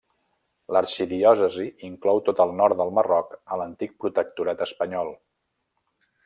L'arxidiòcesi inclou tot el nord del Marroc a l'antic protectorat espanyol.